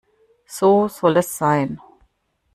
So soll es sein.